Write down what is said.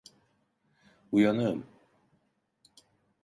Uyanığım.